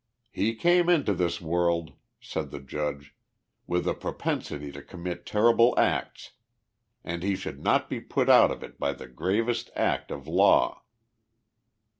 u lie came into this world," said the Judge, with a propensity to commit terrible acts and he should not be put out of it by the gravest act of law.